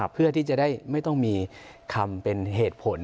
เพื่อที่จะได้ไม่ต้องมีคำเป็นเหตุผล